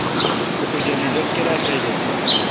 اوں جنریٹر کرا تریجہ۔